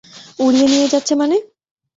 উড়িয়ে নিয়ে যাচ্ছে মানে?